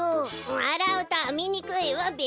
わらうとあみにくいわべ。